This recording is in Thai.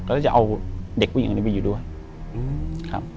แล้วก็จะเอาเด็กผู้หญิงอันนี้ไปอยู่ด้วยครับ